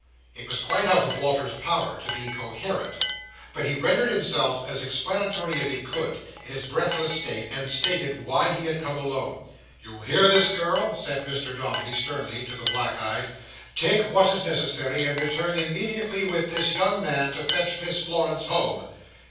It was quite out of Walter's power to be coherent; but he rendered himself as explanatory as he could, in his breathless state, and stated why he had come alone. "You hear this, girl?" said Mr Dombey sternly to the black eyed. "Take what is necessary, and return immediately with this young man to fetch Miss Florence home.